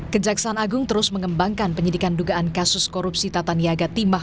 kejaksaan agung terus mengembangkan penyidikan dugaan kasus korupsi tata niaga timah